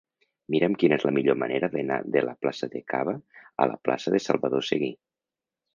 Mira'm quina és la millor manera d'anar de la plaça de Caba a la plaça de Salvador Seguí.